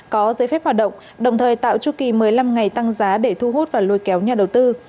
có giấy phép hoạt động đồng thời tạo chu kỳ một mươi năm ngày tăng giá để thu hút và lôi kéo nhà đầu tư